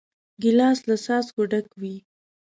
ګیلاس له څاڅکو ډک وي.